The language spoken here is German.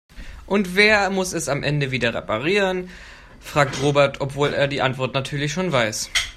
Und wer muss es am Ende wieder reparieren?, fragt Robert, obwohl er die Antwort natürlich schon weiß.